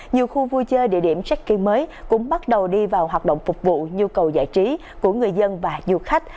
nhiều khu vui chơi địa điểm checki mới cũng bắt đầu đi vào hoạt động phục vụ nhu cầu giải trí của người dân và du khách